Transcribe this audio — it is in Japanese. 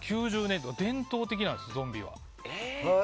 伝統的なんですよ、ゾンビは。